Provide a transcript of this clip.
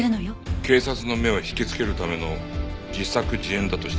警察の目を引きつけるための自作自演だとしたら？